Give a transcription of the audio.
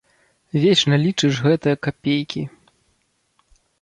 Вечна лічыш гэтыя капейкі!